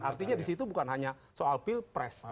artinya di situ bukan hanya soal pilpres